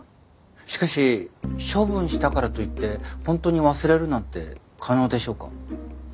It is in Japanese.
しかし処分したからといって本当に忘れるなんて可能でしょうか？